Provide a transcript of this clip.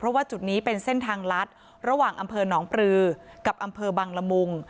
เพราะว่าจุดนี้เป็นเส้นทางลัดระหว่างอำเภอหนองปลือกับอำเภอบังละมุง